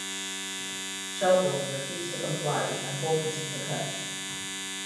Shelbourne refused to comply and forfeited the Cup.